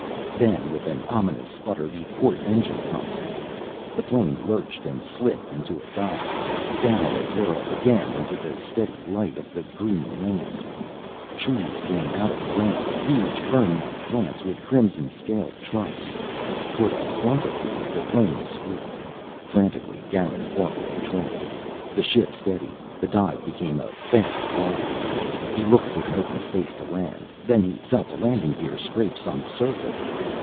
Then, with an ominous sputter, the port engine conked out. The plane lurched and slipped into a dive. Down it whirled again into the steady light of the green land. Trees came out of the ground, huge fern like plants with crimson scaled trunks. Toward a clump of these the plane swooped. Frantically Garin fought the controls. The ship steadied, the dive became a fast glide. He looked for an open space to land. Then he felt the landing gear scrape some surface.